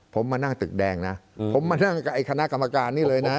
ผมมานั่งตึกแดงนะผมมานั่งกับไอ้คณะกรรมการนี่เลยนะ